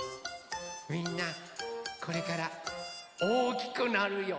みんなこれからおおきくなるよ。